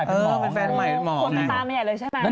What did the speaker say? คนไปตามมาใหญ่เลยใช่ไหม